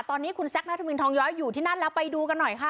ตอนนี้คุณแซคนัทวินทองย้อยอยู่ที่นั่นแล้วไปดูกันหน่อยค่ะ